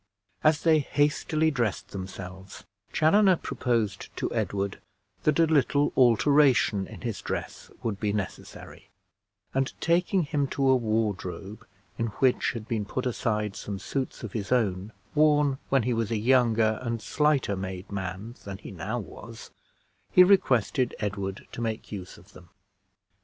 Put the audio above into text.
As they hastily dressed themselves, Chaloner proposed to Edward that a little alteration in his dress would be necessary; and taking him to a wardrobe in which had been put aside some suits of his own, worn when he was a younger and slighter made man than he now was, he requested Edward to make use of them.